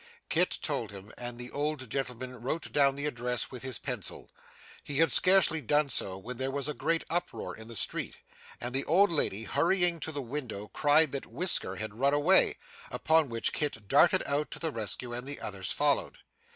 Kit told him, and the old gentleman wrote down the address with his pencil. He had scarcely done so, when there was a great uproar in the street, and the old lady hurrying to the window cried that Whisker had run away, upon which Kit darted out to the rescue, and the others followed.